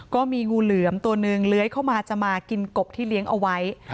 ก็มีงูเหลือมตัวหนึ่งเลื้อยเข้ามาจะมากินกบที่เลี้ยงเอาไว้